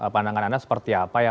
pandangan anda seperti apa ya